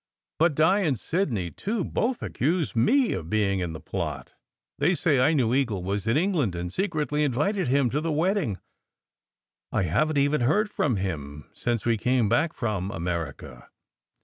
"But Di and Sidney, too, both accuse me of being in the plot. They say I knew Eagle was in England, and secretly invited him to the wedding. I haven t even heard from him since we came back from America."